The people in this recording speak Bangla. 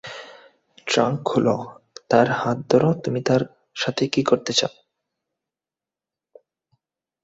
ট্রাঙ্ক খুলো এবং তার হাত ধরো তুমি তার সাথে কি করতে চাও?